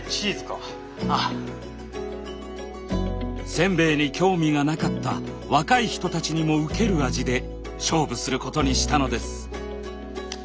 せんべいに興味がなかった若い人たちにもウケる味で勝負することにしたのです。